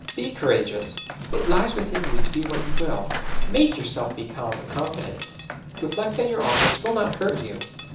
BE courageous it lies within you to be what you will. MAKE yourself be calm and confident. Reflect that your audience will not hurt you.